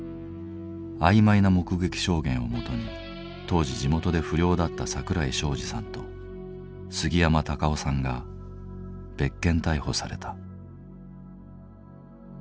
曖昧な目撃証言をもとに当時地元で不良だった桜井昌司さんと杉山卓男さんが別件逮捕された。